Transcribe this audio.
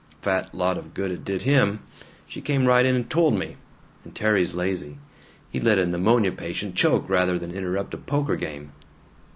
Fat lot of good it did him! She came right in and told me! And Terry's lazy. He'd let a pneumonia patient choke rather than interrupt a poker game."